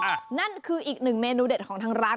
นั่นคืออีกหนึ่งเมนูเด็ดของทางร้าน